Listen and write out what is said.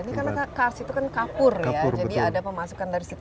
ini karena kars itu kan kapur ya jadi ada pemasukan dari situ